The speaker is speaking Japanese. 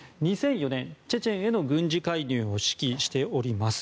２００４年、チェチェンへの軍事介入を指揮しています。